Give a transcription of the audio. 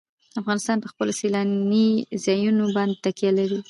افغانستان په خپلو سیلاني ځایونو باندې تکیه لري.